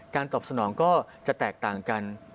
ตอบสนองก็จะแตกต่างกัน